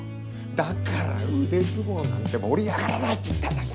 だから腕相撲なんて盛り上がらないって言ったんだよ！